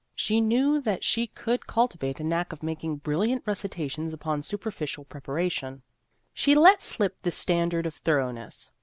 She knew that she could cultivate a knack of making brilliant recitations upon super ficial preparation ; she let slip the stand ard of thoroughness.